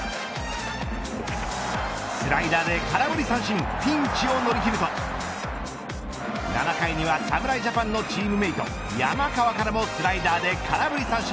スライダーで空振り三振ピンチを乗り切ると７回には侍ジャパンのチームメート山川からもスライダーで空振り三振。